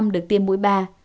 được tiêm mũi ba